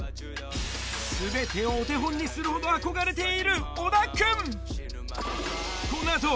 すべてをお手本にするほど憧れている小田君。